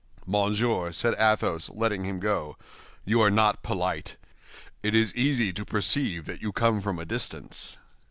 "Monsieur," said Athos, letting him go, "you are not polite; it is easy to perceive that you come from a distance."